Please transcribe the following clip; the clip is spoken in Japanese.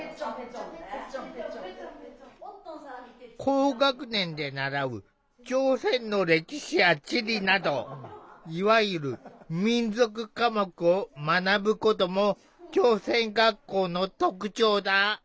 高学年で習う朝鮮の歴史や地理などいわゆる「民族科目」を学ぶことも朝鮮学校の特徴だ。